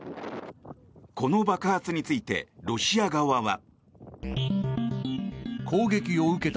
この爆発についてロシア側は。